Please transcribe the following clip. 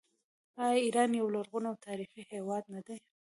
آیا ایران یو لرغونی او تاریخي هیواد نه دی؟